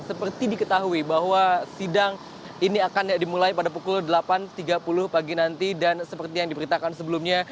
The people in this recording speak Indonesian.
seperti diketahui bahwa sidang ini akan dimulai pada pukul delapan tiga puluh pagi nanti dan seperti yang diberitakan sebelumnya